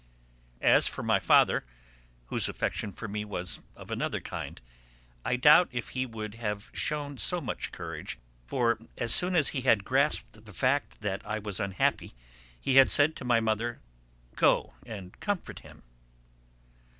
As for my father, whose affection for me was of another kind, I doubt if he would have shewn so much courage, for as soon as he had grasped the fact that I was unhappy he had said to my mother: "Go and comfort him."